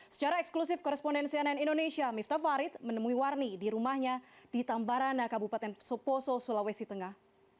secara eksklusif korespondensi ann indonesia miftah farid menemui warni di rumahnya di tambarana kabupaten suposo sulawesi tengah